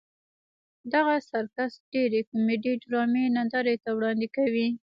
دغه سرکس ډېرې کومیډي ډرامې نندارې ته وړاندې کوي.